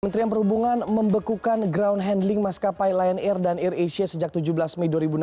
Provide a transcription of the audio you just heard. kementerian perhubungan membekukan ground handling maskapai lion air dan air asia sejak tujuh belas mei dua ribu enam belas